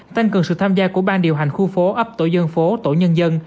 tăng cường sự tham gia của ban điều hành khu phố ấp tổ dân phố tổ nhân dân